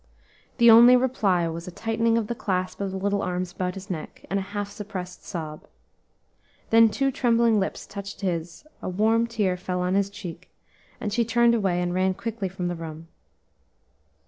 The only reply was a tightening of the clasp of the little arms about his neck, and a half suppressed sob; then two trembling lips touched his, a warm tear fell on his cheek, and she turned away and ran quickly from the room.